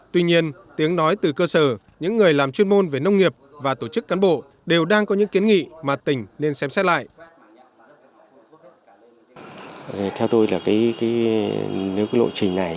tuy nhiên tiếng nói từ cơ sở những người làm chuyên môn về nông nghiệp và tổ chức cán bộ đều đang có những kiến nghị mà tỉnh nên xem xét lại